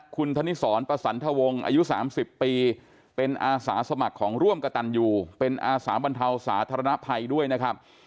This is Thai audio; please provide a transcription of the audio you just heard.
คุณธนิสรประสันทวงศ์อายุ๓๐ปีเป็นอาสาสมัครของร่วมกระตันยูเป็นอาสาบรรเทาสาธารณภัยด้วยนะครับ